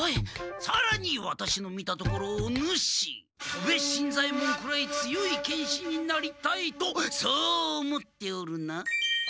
さらにワタシの見たところお主戸部新左ヱ門くらい強い剣士になりたいとそう思っておるな？